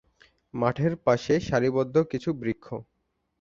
মাঠের পাশে সারি বদ্ধ কিছু বৃক্ষ।